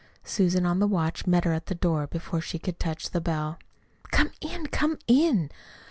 Susan on the watch, met her at the door, before she could touch the bell. "Come in, come in!